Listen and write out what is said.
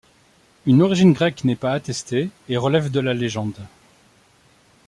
Une origine grecque n'est pas attestée et relève de la légende.